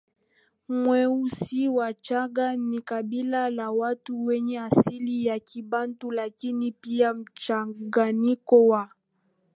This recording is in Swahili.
mweusiWachagga ni kabila la watu wenye asili ya Kibantu lakini pia mchanganyiko wa